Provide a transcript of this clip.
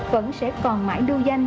vẫn sẽ còn mãi đưa danh